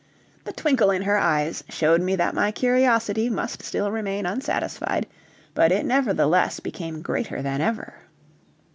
The twinkle in her eyes showed me that my curiosity must still remain unsatisfied, but it nevertheless became greater than ever.